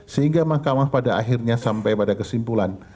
sehingga mahkamah pada akhirnya sampai pada kesimpulan